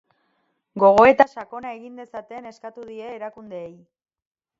Gogoeta sakona egin dezaten eskatu die erakundeei.